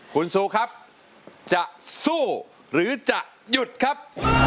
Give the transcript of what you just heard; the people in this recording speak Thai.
คุณซูครับจะสู้หรือจะหยุดครับ